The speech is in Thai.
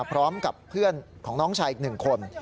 พร้อมกับเพื่อนของน้องชายอีก๑คน